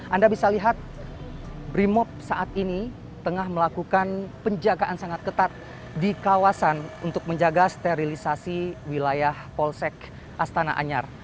anda bisa lihat brimop saat ini tengah melakukan penjagaan sangat ketat di kawasan untuk menjaga sterilisasi wilayah polsek astana anyar